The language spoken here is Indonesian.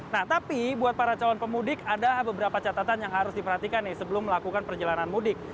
nah tapi buat para calon pemudik ada beberapa catatan yang harus diperhatikan nih sebelum melakukan perjalanan mudik